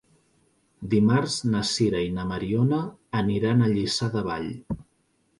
Dimarts na Sira i na Mariona aniran a Lliçà de Vall.